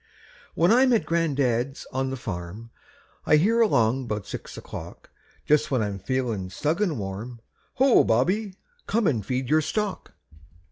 When I'm at gran'dad's on the farm, I hear along 'bout six o'clock, Just when I'm feelin' snug an' warm, "Ho, Bobby, come and feed your stock."